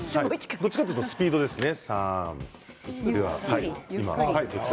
どちらかというとスピードですね。